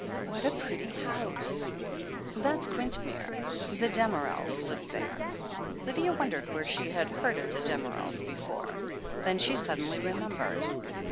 "What a pretty house !" "That's Quintmere. The Damerels live there." Lydia wondered where she had heard of the Dam erels before. Then she suddenly remembered.